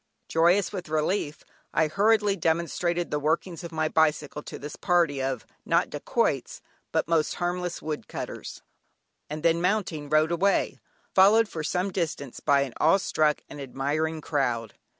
Joyous with relief I hurriedly demonstrated the workings of my bicycle to this party of, not dacoits, but most harmless wood cutters, and then mounting rode away, followed for some distance by an awe struck and admiring crowd.